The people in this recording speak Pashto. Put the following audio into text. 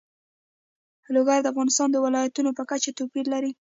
لوگر د افغانستان د ولایاتو په کچه توپیر لري.